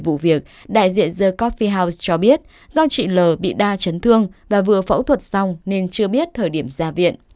về vụ việc đại diện the coffee house cho biết do chị l bị đa chấn thương và vừa phẫu thuật xong nên chưa biết thời điểm ra viện